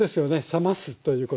冷ますということ。